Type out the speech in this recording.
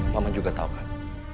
mama juga tau kan